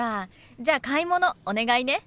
じゃあ買い物お願いね。